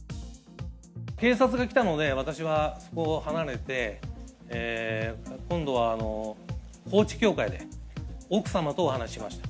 警察が来たので、私はそこを離れて、今度は高知教会で、奥様とお話ししました。